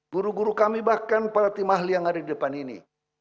guru guru kami bahkan pak latif mahli yang ada di depan ini